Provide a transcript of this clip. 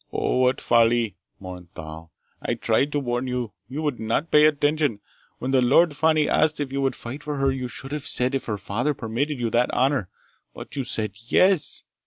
"Oh, what folly!" mourned Thal. "I tried to warn you! You would not pay attention! When the Lady Fani asked if you would fight for her, you should have said if her father permitted you that honor. But you said yes!